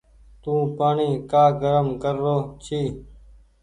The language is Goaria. تو پآڻيٚ ڪآ گرم ڪر رو ڇي۔